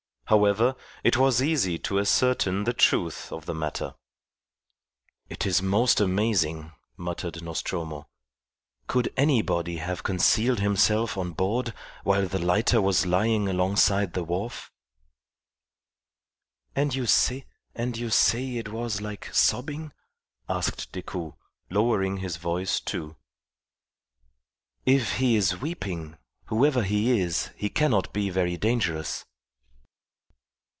However, it was easy to ascertain the truth of the matter. "It is most amazing," muttered Nostromo. "Could anybody have concealed himself on board while the lighter was lying alongside the wharf?" "And you say it was like sobbing?" asked Decoud, lowering his voice, too. "If he is weeping, whoever he is he cannot be very dangerous."